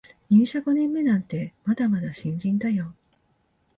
入社五年目なんてまだまだ新人だよ